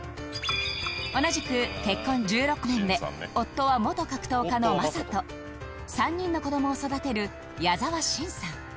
同じく結婚１６年目夫は元格闘家の魔裟斗３人の子どもを育てる矢沢心さん